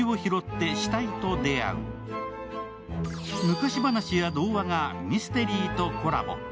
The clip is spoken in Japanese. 昔話や童話がミステリーとコラボ。